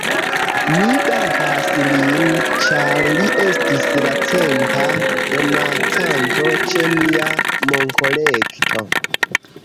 Mi dankas lin, ĉar li estis la centa donacanto ĉe nia monkolekto